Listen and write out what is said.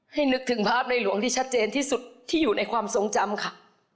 นึกถึงภาพในหลวงที่ชัดเจนที่สุดที่อยู่ในความทรงจำค่ะ